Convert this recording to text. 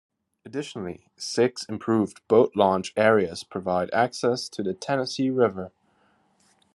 Additionally, six improved boat launch areas provide access to the Tennessee River.